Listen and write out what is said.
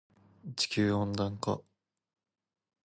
地球温暖化